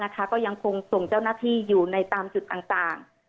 ก็ยังคงส่งเจ้าหน้าที่อยู่ในตามจุดต่าง